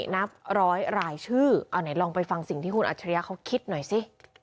นับร้อยรายชื่อเอาไหนลองไปฟังสิ่งที่คุณอัจฉริยะเขาคิดหน่อยสิ